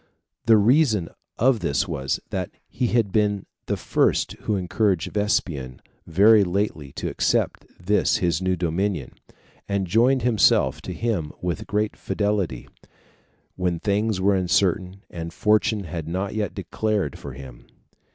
The reason of this was, that he had been the first who encouraged Vespasian very lately to accept this his new dominion, and joined himself to him with great fidelity, when things were uncertain, and fortune had not yet declared for him.